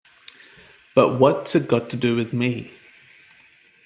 But what's it got to do with me?